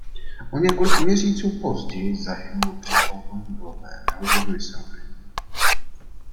O několik měsíců později zahynul při automobilové nehodě v Missouri.